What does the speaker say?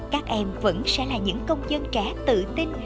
các em vẫn sẽ là những công dân trẻ tự tin